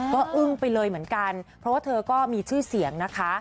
ก็อึ้งไปเลยเหมือนกันเพราะว่าเธอก็มีชื่อเสียงนะคะ